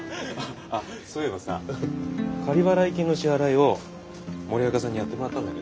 あっそういえばさ仮払い金の支払いを森若さんにやってもらったんだけど。